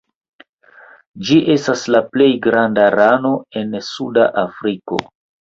Ĝi estas la plej granda rano en Suda Afriko.